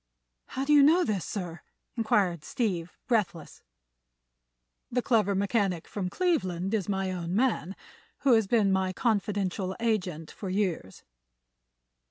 "How do you know this, sir?" inquired Steve, breathless. "The clever mechanic from Cleveland is my own man, who has been my confidential agent for years."